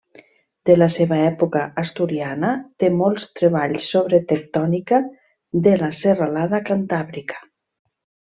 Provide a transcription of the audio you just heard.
De la seva època asturiana té molts treballs sobre tectònica de la serralada cantàbrica.